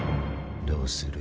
どうする？